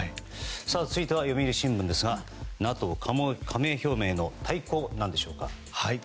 続いては読売新聞ですがＮＡＴＯ加盟表明の対抗なんでしょうか。